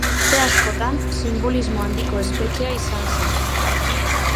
Urte askotan sinbolismo handiko espetxea izan zen.